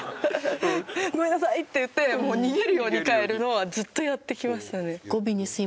「ごめんなさい！」って言って逃げるように帰るのはずっとやってきましたね。